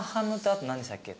あと何でしたっけ？